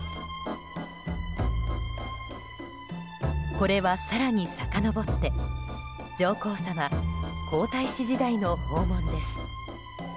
これは、更にさかのぼって上皇さま皇太子時代の訪問です。